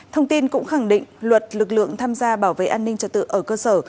thông tin cũng khẳng định luật lực lượng tham gia bảo vệ an ninh trật tự ở cơ sở